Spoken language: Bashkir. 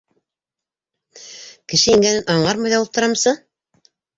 Кеше ингәнен аңғармай ҙа ултырамсы?